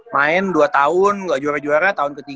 main dua tahun gak juara juara tahun ke tiga